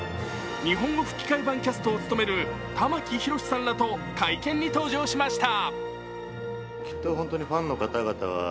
日本語吹き替え版キャストを務める玉木宏さんらと会見に登場しました。